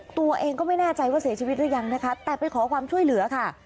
ตัวเองก็ไม่แน่ใจว่าเสียชีวิตหรือยังนะคะแต่ไปขอความช่วยเหลือค่ะ